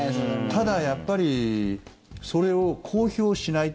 ただ、やっぱりそれを公表しない。